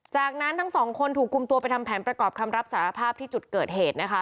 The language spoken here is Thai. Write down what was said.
จากนั้นทั้งสองคนถูกกลุ่มตัวไปทำแผนประกอบคำรับสารภาพที่จุดเกิดเหตุนะคะ